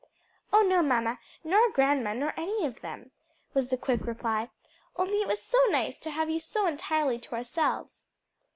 "Oh no, mamma; nor grandma, nor any of them," was the quick reply; "only it was so nice to have you so entirely to ourselves."